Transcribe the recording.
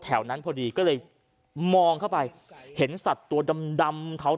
แถวนั้นพอดีก็เลยมองเข้าไปเห็นสัตว์ตัวดำดำเขา